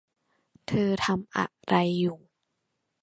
เธอทำอะไรอยู่